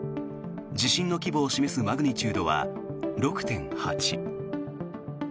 地震の規模を示すマグニチュードは６．８。